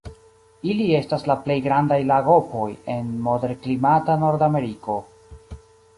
Ili estas la plej grandaj lagopoj el moderklimata Nordameriko.